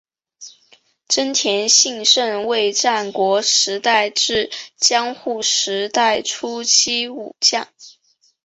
真田信胜为战国时代至江户时代初期武将。